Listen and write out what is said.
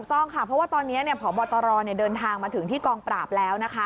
ต้องค่ะเพราะว่าตอนนี้พบตรเดินทางมาถึงที่กองปราบแล้วนะคะ